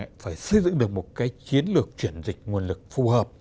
chúng ta sẽ phải xây dựng được một cái chiến lược chuyển dịch nguồn lực phù hợp